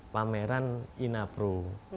pameran ina pro